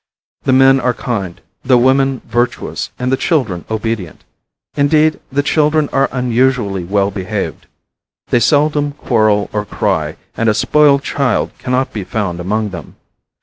The men are kind, the women virtuous and the children obedient. Indeed, the children are unusually well behaved. They seldom quarrel or cry, and a spoiled child cannot be found among them.